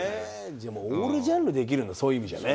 じゃあもうオールジャンルできるんだそういう意味じゃね。